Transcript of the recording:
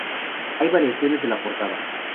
Hay variaciones de la portada.